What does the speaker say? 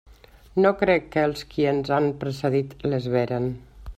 No crec que els qui ens han precedit les veren.